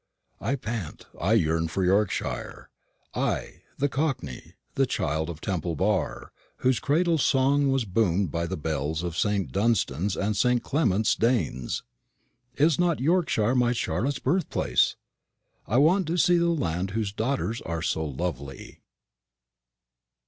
I pant, I yearn for Yorkshire. I, the cockney, the child of Temple Bar, whose cradle song was boomed by the bells of St. Dunstan's and St. Clement's Danes. Is not Yorkshire my Charlotte's birthplace? I want to see the land whose daughters are so lovely.